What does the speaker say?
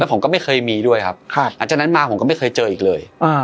ผมก็ไม่เคยมีด้วยครับหลังจากนั้นมาผมก็ไม่เคยเจออีกเลย